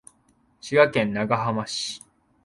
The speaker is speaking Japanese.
滋賀県長浜市